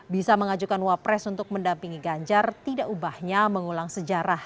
bisa mengajukan wapres untuk mendampingi ganjar tidak ubahnya mengulang sejarah